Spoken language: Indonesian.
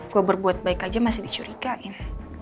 gue berbuat baik aja masih dicurigain